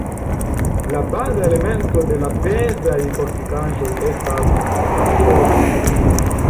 La baza elemento de la pezaj fortikaĵoj estis la tn.